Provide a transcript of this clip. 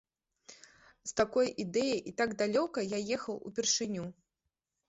З такой ідэяй і так далёка я ехаў упершыню.